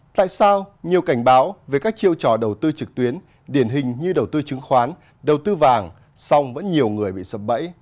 tại sao nhiều cảnh báo về các chiêu trò đầu tư trực tuyến điển hình như đầu tư chứng khoán đầu tư vàng song vẫn nhiều người bị sập bẫy